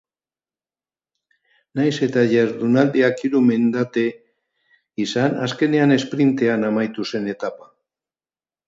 Nahiz eta jardunaldiak hiru mendate izan, azkenean esprintean amaitu zen etapa.